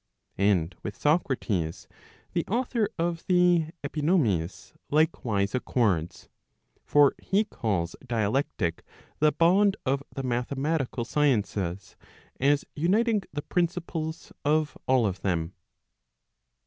And with Socrates, the author of the Epinomis likewise accords. For he calls dialectic the bond of the mathematical sciences, as uniting the principles of all of them.